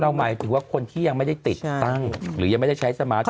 หมายถึงว่าคนที่ยังไม่ได้ติดตั้งหรือยังไม่ได้ใช้สมาร์ท